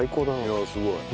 いやすごい。